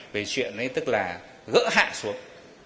về chuyện gỡ hạ xuống